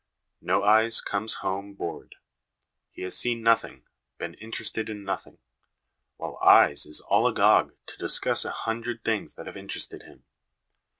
No eyes comes home bored ; he has seen nothing, been interested in nothing : while Eyes is all agog to discuss a hundred things that have interested him.